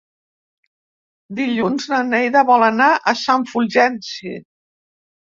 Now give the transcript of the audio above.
Dilluns na Neida vol anar a Sant Fulgenci.